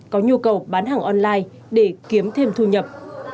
có nhu cầu bán hàng online để kiếm thêm thu nhập